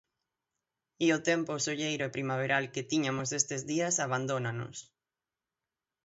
E o tempo solleiro e primaveral que tíñanos estes días abandónanos.